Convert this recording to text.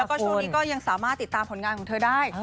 แล้วก็ช่วงนี้ก็ยังสามารถติดตามผลงานของเธอได้